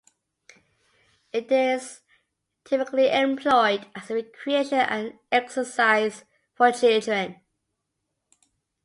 It is typically employed as a recreation and exercise for children.